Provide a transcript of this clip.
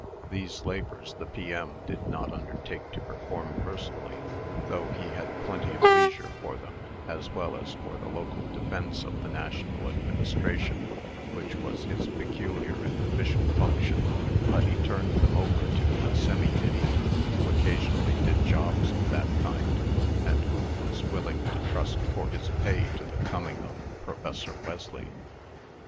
These labors the P.M. did not undertake to perform personally though he had plenty of leisure for them, as well as for the local defence of the National Administration, which was his peculiar and official function but he turned them over to a semi idiot, who occasionally did jobs of that kind, and who was willing to trust for his pay to the coming of Professor Wesley.